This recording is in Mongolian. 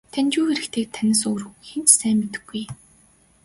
Танд юу хэрэгтэйг танаас өөр хэн ч сайн мэдэхгүй.